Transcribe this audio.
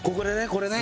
これね。